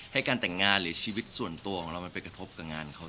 ให้การแต่งงานต่อชีวิตของเราไปกระทบกับงานเขา